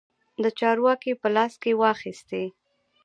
د چارو واګې په لاس کې واخیستې.